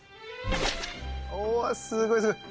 おすごいすごい！